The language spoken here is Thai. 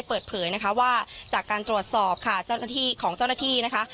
เปิดเผยนะคะว่าจากการตรวจสอบค่ะเจ้าหน้าที่ของเจ้าหน้าที่นะคะ